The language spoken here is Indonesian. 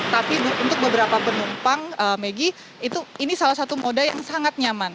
tapi untuk beberapa penumpang megi ini salah satu moda yang sangat nyaman